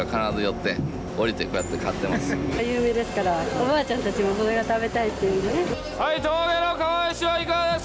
おばあちゃんたちもこれが食べたいっていうね。